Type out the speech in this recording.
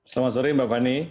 selamat sore mbak fani